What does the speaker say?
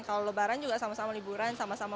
kalau lebaran juga sama sama liburan sama sama